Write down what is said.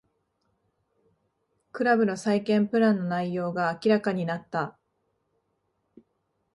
クラブの再建プランの全容が明らかになった